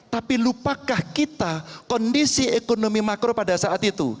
tapi lupakah kita kondisi ekonomi makro pada saat itu